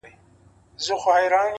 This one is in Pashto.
هره شېبه د بدلون فرصت لري؛